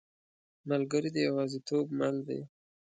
ملګری د یوازیتوب مل دی.